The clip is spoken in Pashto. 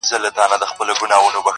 ورکړې یې بوسه نه ده وعده یې د بوسې ده,